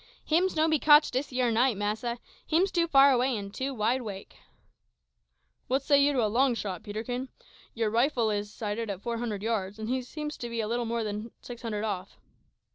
"Hims no be cotched dis yer night, massa; hims too far away an' too wide 'wake." "What say you to a long shot, Peterkin? Your rifle is sighted for four hundred yards, and he seems to be little more than six hundred off."